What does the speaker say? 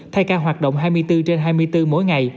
thay cả hoạt động hai mươi bốn trên sân